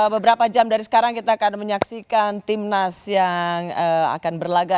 beberapa jam dari sekarang kita akan menyaksikan timnas yang akan berlaga